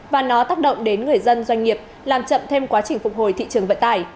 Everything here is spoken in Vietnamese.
và nó tác động đến người dân doanh nghiệp làm chậm thêm quá trình phục hồi thị trường vận tải